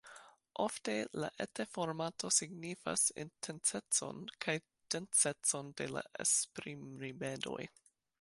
Ofte la eta formato signifas intensecon kaj densecon de la esprimrimedoj.